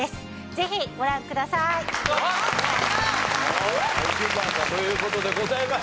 ぜひご覧ください。という事でございます。